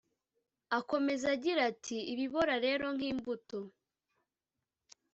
Akomeza agira ati “Ibibora rero nk’imbuto